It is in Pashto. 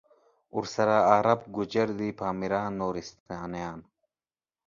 ورسره عرب، گوجر دی پامیریان، نورستانیان